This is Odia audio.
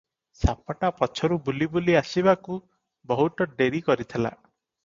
ସାପଟା ପଛରୁ ବୁଲି ବୁଲି ଆସିବାକୁ ବହୁତ ଡେରି କରିଥିଲା ।